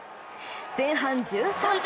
前半１３分。